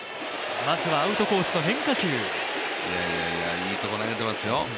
いいところ投げていますよ。